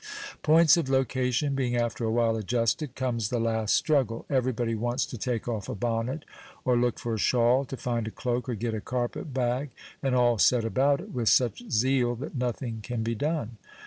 Points of location being after a while adjusted, comes the last struggle. Every body wants to take off a bonnet, or look for a shawl, to find a cloak, or get a carpet bag, and all set about it with such zeal that nothing can be done.